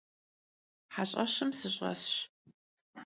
Heş'eşım sış'esş.